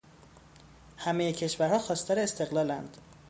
همهٔ کشورها خواستار استقلال اند.